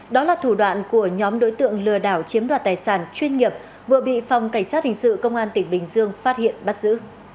đó là thủ đoạn của nhóm đối tượng lừa đảo chiếm đoạt tài sản chuyên nghiệp vừa bị phòng cảnh sát hình sự công an tỉnh bình dương phát hiện bắt giữ